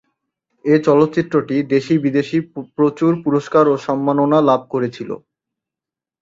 এ চলচ্চিত্রটি দেশী-বিদেশী প্রচুর পুরস্কার ও সম্মাননা লাভ করেছিল।